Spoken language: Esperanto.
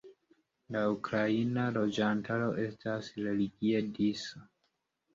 La ukraina loĝantaro estas religie disa.